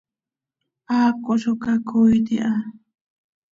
Haaco zo cacoiit iha.